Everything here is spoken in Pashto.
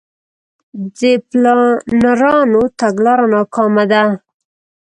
د پلانرانو تګلاره ناکامه ده.